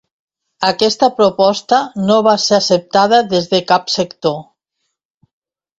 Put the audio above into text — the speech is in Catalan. Aquesta proposta no va ser acceptada des de cap sector.